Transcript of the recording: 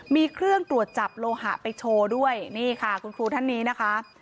มีเครื่องตรวจจับโลหะไปโชว์ด้วยนี่ค่ะคุณครูท่านนี้นะคะ